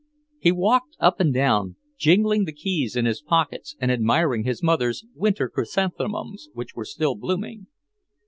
He walked up and down, jingling the keys in his pockets and admiring his mother's winter chrysanthemums, which were still blooming.